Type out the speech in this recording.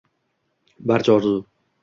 Barcha orzu